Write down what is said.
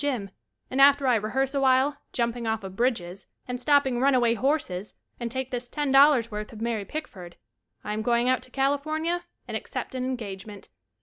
gym, and after I rehearse a while jumping off of bridges, and stopping runaway horses and take this Ten Dollars worth of Mary Pick ford, I am going out to California and ac cept an engagement.